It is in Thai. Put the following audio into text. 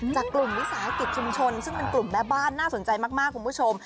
จากกลุ่มวิสาหกิจชุมชนซึ่งเป็นกลุ่มแม่บ้านน่าสนใจมากคุณผู้ชม